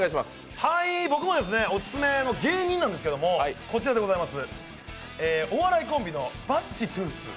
僕もオススメの芸人なんですけど、お笑いコンビのバッチトゥース。